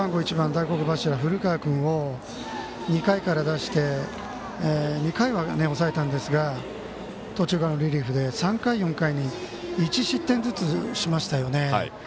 大黒柱の古川君を２番手で出して２回までは抑えたんですが途中からのリリーフで３回、４回に１失点ずつしましたよね。